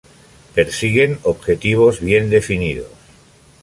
Persiguen objetivos bien definidos.